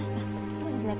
そうですね。